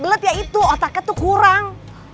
belet ya itu otaknya tuh kurang